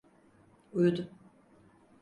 Uyudu.